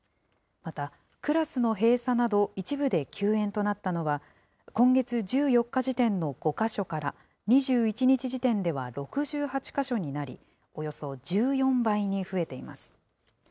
また、クラスの閉鎖など、一部で休園となったのは、今月１４日時点の５か所から、２１日時点では６８か所になり、およそ１４倍に増えています。